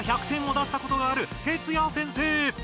１００点を出したことがあるＴＥＴＳＵＹＡ先生！